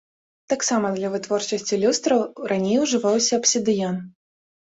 Таксама для вытворчасці люстраў раней ужываўся абсідыян.